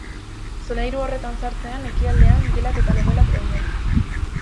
Solairu horretan sartzean, ekialdean gelak eta logelak daude.